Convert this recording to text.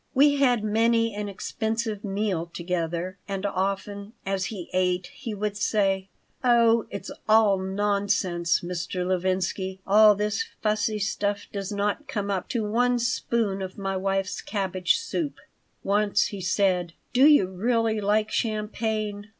We had many an expensive meal together, and often, as he ate, he would say: "Oh, it's all nonsense, Mr. Levinsky. All this fussy stuff does not come up to one spoon of my wife's cabbage soup." Once he said: "Do you really like champagne?